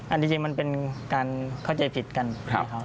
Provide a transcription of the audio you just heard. อันนี้จริงมันเป็นการเข้าใจผิดกัน